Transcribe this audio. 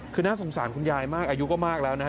คือน่าสงสารคุณยายมากอายุก็มากแล้วนะฮะ